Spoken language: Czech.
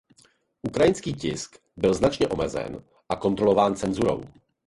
Ukrajinský tisk byl značně omezen a kontrolován cenzurou.